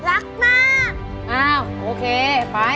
อะโอเคไป